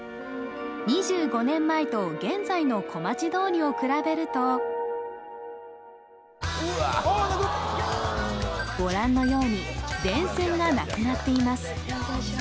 ２５年前と現在の小町通りを比べるとご覧のように電線がなくなっています